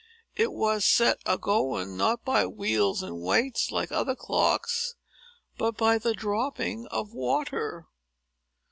It was set a going, not by wheels and weights, like other clocks, but by the dropping of water.